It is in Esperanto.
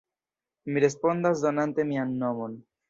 Mi respondas donante mian nomon.